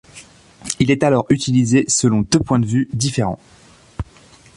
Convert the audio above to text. Il est alors utilisé selon deux points de vue différents.